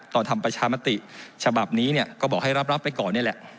ทำประชามติฉบับนี้เนี่ยก็บอกให้รับไปก่อนนี่แหละ